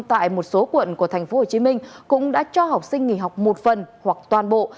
tại một số quận của tp hcm cũng đã cho học sinh nghỉ học một phần hoặc toàn bộ